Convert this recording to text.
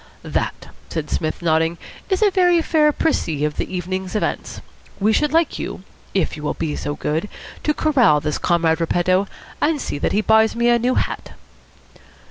"That," said Psmith, nodding, "is a very fair précis of the evening's events. We should like you, if you will be so good, to corral this Comrade Repetto, and see that he buys me a new hat."